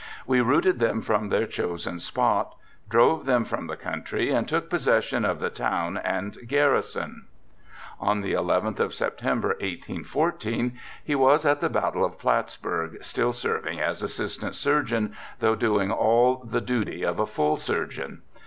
We routed them from their chosen spot— drove them from the country and took possession of the town and garrison." ' On the nth of September, 181^, he was at the Battle of Plattsburgh, still serving as assistant surgeon, though doing all the duty of a full surgeon.